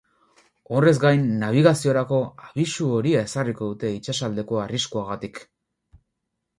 Horrez gain, nabigaziorako abisu horia ezarriko dute itsasaldeko arriskuagatik.